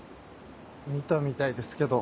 見たみたいですけど。